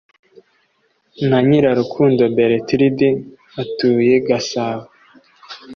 na nyirarukundo berthilde utuye gasabo